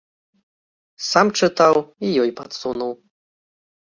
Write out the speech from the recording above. Сам чытаў і ёй падсунуў.